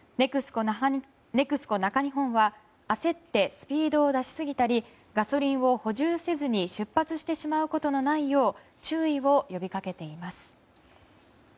ＮＥＸＣＯ中日本は焦ってスピードを出しすぎたりガソリンを補充せずに出発してしまうことのないよう注意を呼びかけています。